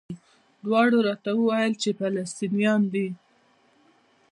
دواړو راته وویل چې فلسطینیان دي.